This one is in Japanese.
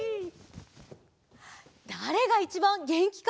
だれがいちばんげんきかというと。